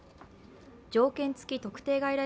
条件付特定外来